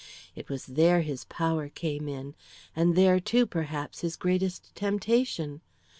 It was there his power came in, and there, too, perhaps, his greatest temptation.